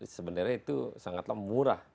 sebenarnya itu sangatlah murah